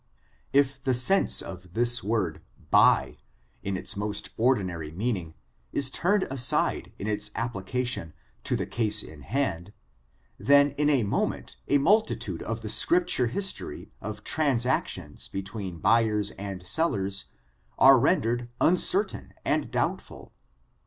If the sense of this word, huy^ in its most ordinary meaning, is turned aside in its application to the case in hand, then in a moment a multitude of the Script ture history of transactions between buyers and sel lers, are rendered uncertain and doubtful.